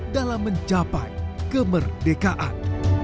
dalam mencapai kemerdekaan